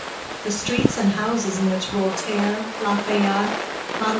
The streets and houses in which Voltaire, La Fayette, Mme.